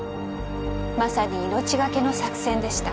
まさに命がけの作戦でした。